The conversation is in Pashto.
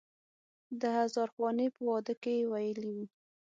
د هزار خوانې په واده کې یې ویلی و.